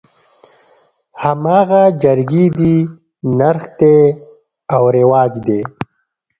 هماغه جرګې دي نرخ دى او رواج دى.